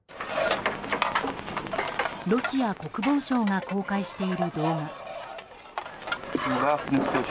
ロシア国防省が公開している動画。